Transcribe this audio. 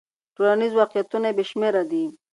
ټولنیز واقعیتونه بې شمېره دي.